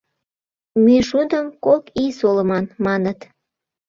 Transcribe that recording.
— Мӱйшудым кок ий солыман, маныт.